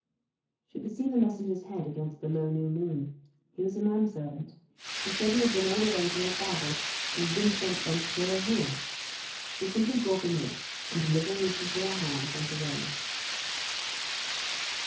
She could see the messenger's head against the low new moon. He was a man servant. He said he had been all the way to her father's, and had been sent thence to her here. He simply brought a note, and, delivering it into her hands, went away.